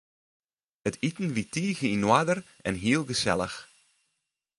It iten wie tige yn oarder en hiel gesellich.